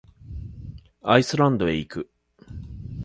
アイスランドへ行く。